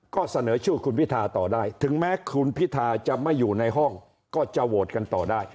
ก็เสนอชื่อคุณพิทาต่อได้ถึงแม้คุณพิทาจะไม่อยู่ในห้องก็จะโหวตกันต่อได้